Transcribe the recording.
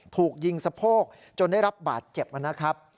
ถูกยิงสะโพกจนได้รับบาดเจ็บนะครับ